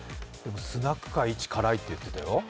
スナック界いち辛いって言ってたよ。